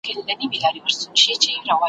ظاهر سپین وي په باطن توره بلا وي `